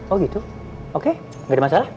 oh gitu oke gak ada masalah